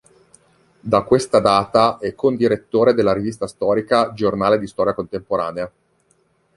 Da questa data, è condirettore della rivista storica "Giornale di Storia Contemporanea.